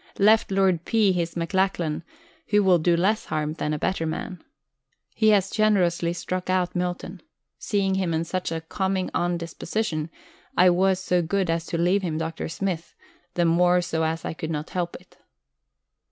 Left Lord P. his McLachlan, who will do less harm than a better man. He has generously struck out Milton. Seeing him in such a "coming on disposition," I was so good as to leave him Dr. Smith, the more so as I could not help it.